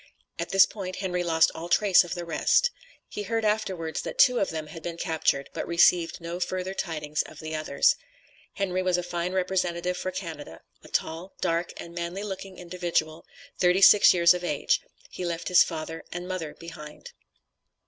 At this point Henry lost all trace of the rest. He heard afterwards that two of them had been captured, but received no further tidings of the others. Henry was a fine representative for Canada; a tall, dark, and manly looking individual, thirty six years of age. He left his father and mother behind.